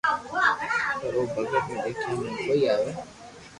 پر او ڀگت ني ديکيا ۾ ڪوئي آوي